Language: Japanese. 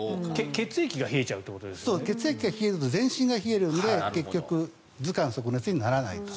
血液が冷えちゃうと全身が冷えちゃうので結局、頭寒足熱にならない。